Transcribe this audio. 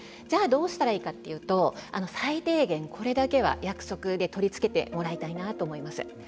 じゃあどうしたらいいかというと最低限これだけは約束で取りつけてもらいたいなと思います。